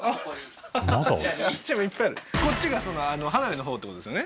こっちが離れのほうってことですよね？